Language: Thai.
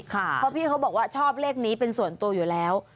เพราะพี่เขาบอกว่าชอบเลขนี้เป็นส่วนตัวอยู่แล้ว